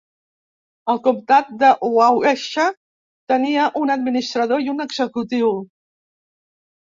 El comtat de Waukesha tenia un administrador i un executiu.